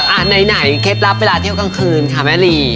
ไหนเคล็ดลับเวลาเที่ยวกลางคืนค่ะแม่ลี